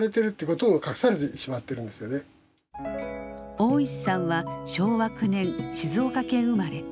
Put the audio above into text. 大石さんは昭和９年静岡県生まれ。